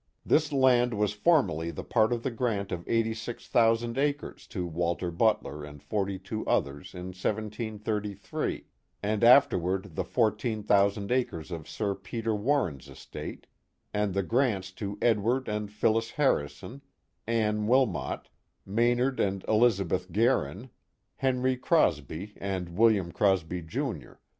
This land was formerly part of the grant of eighty six thousand acres to Walter Butler and forty two others in 1733, and afterward the fourteen thou sand acres of Sir Peter Warren's estate, and the grants to Edward and Phillis Harrison, Anne Wilmot, Maynard and Elizabeth Guerin, Henry Crosby and William Crosby, Jr.